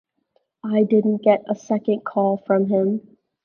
I didn't get a second call from him'.